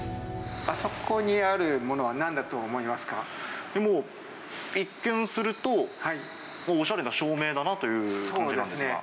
あそこにあるものはなんだともう、一見すると、おしゃれな照明だなという感じなんですが。